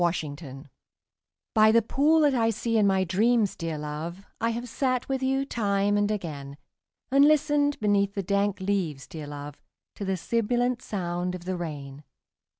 THE POOL By the pool that I see in my dreams, dear love, I have sat with you time and again; And listened beneath the dank leaves, dear love, To the sibilant sound of the rain.